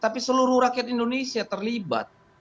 tapi seluruh rakyat indonesia terlibat